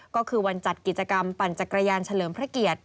ก็คือวันจัดกิจกรรมปั่นจักรยานเฉลิมพระเกียรติ